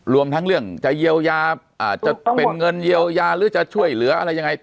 รวมทั้งเรื่องจะเยียวยาจะเป็นเงินเยียวยาหรือจะช่วยเหลืออะไรยังไง